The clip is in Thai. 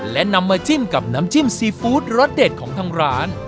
และนำมาจิ้มกับน้ำจิ้มซีฟู้ดรสเด็ดของทางร้าน